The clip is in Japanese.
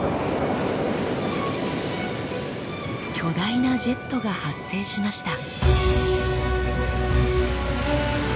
巨大なジェットが発生しました。